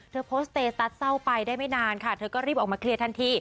เธอโพสต์สเตตัสเศร้าไปได้ไม่นานค่ะเธอก็รีบออกมาเคลียร์ทันที